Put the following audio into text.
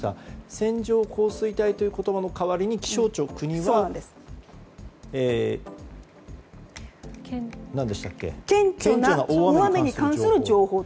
線状降水帯という言葉の代わりに気象庁、国は顕著な大雨に関する情報と。